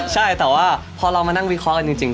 ใช่แต่ว่าพอเรามานั่งวิเคราะห์กันจริง